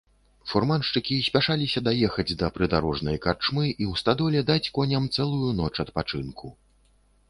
Фурманшчыкі спяшаліся даехаць да прыдарожнай карчмы і ў стадоле даць коням цэлую ноч адпачынку.